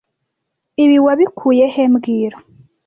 Ibi wabikuye he mbwira